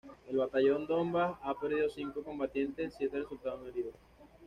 El Batallón "Donbas" ha perdido cinco combatientes, siete resultaron heridos.